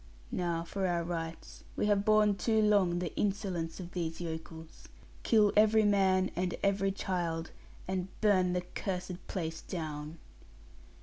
Now for our rights. We have borne too long the insolence of these yokels. Kill every man, and every child, and burn the cursed place down.'